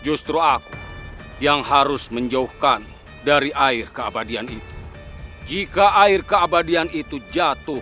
justru aku yang harus menjauhkan dari air keabadian itu jika air keabadian itu jatuh